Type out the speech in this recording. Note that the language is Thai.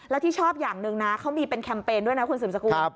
แล้วที่ชอบอย่างหนึ่งนะเขามีเป็นแคมเปญด้วยนะคุณสืบสกุล